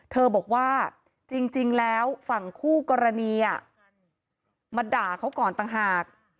บอกว่าจริงแล้วฝั่งคู่กรณีมาด่าเขาก่อนต่างหาก